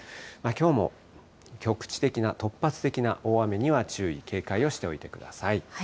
きょうも局地的な突発的な大雨には注意、警戒をしておいてください。